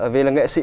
vì là nghệ sĩ